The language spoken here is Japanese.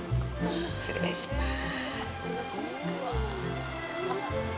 失礼します。